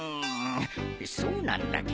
そうなんだけどさ。